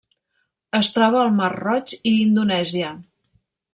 Es troba al Mar Roig i Indonèsia.